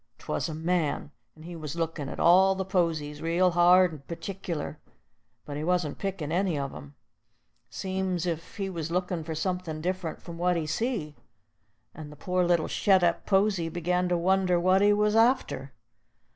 'Twas a man, and he was lookin' at all the posies real hard and partic'lar, but he wasn't pickin' any of 'em. Seems's if he was lookin' for somethin' diff'rent from what he see, and the poor little shet up posy begun to wonder what he was arter.